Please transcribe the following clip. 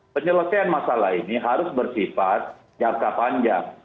penyelesaian masalah ini harus bersifat jangka panjang